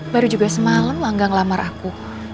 baru juga semalam langgang lamar aku